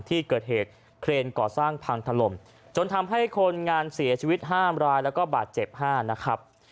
ที่เกิดเหตุเครนก่อสร้างพังถล่มจนทำให้คนงานเสียชีวิตห้ามรายแล้วก็บาดเจ็บ๕นะครับ